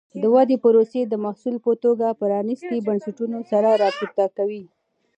د ودې پروسې د محصول په توګه پرانیستي بنسټونه سر راپورته کوي.